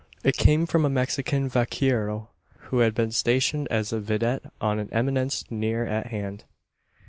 It came from a Mexican vaquero, who had been stationed as a vidette on an eminence near at hand.